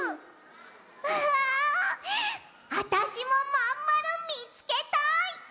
ああたしもまんまるみつけたい！